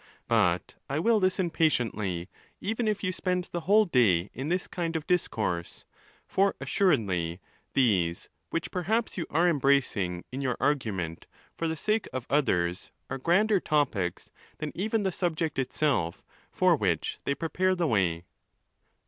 But I will listen patiently, even if you spend the whole day in this kind of discourse ; for assuredly these, which perhaps you are embracing in your argument for the sake of others, are grander topies than even the subject itself for which they prepare the way.